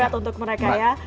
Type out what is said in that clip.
berat untuk mereka